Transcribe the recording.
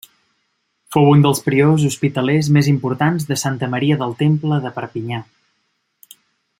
Fou un dels priors hospitalers més importants de Santa Maria del Temple de Perpinyà.